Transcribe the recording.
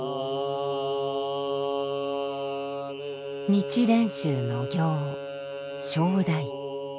日蓮宗の行唱題。